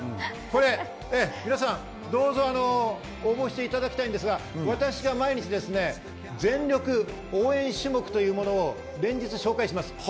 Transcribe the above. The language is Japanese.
皆さんどうぞ応募していただきたいんですが、私が毎日、全力応援種目を紹介します。